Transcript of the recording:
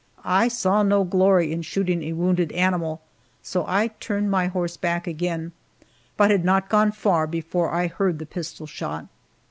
I saw no glory in shooting a wounded animal, so I turned my horse back again, but had not gone far before I heard the pistol shot.